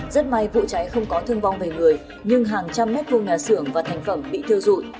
rất may vụ cháy không có thương vong về người nhưng hàng trăm mét vuông nhà xưởng và thành phẩm bị thiêu dụi